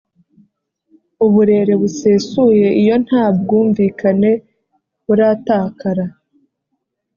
Uburere busesuye iyo nta bwumvikane buratakara.